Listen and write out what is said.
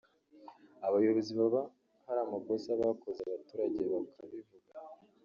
abayobozi baba hari amakosa bakoze abaturage bakabivuga